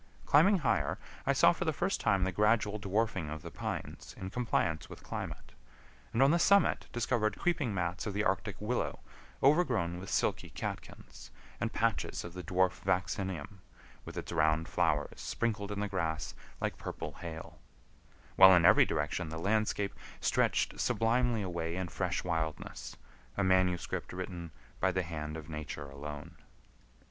Climbing higher, I saw for the first time the gradual dwarfing of the pines in compliance with climate, and on the summit discovered creeping mats of the arctic willow overgrown with silky catkins, and patches of the dwarf vaccinium with its round flowers sprinkled in the grass like purple hail; while in every direction the landscape stretched sublimely away in fresh wildness—a manuscript written by the hand of Nature alone.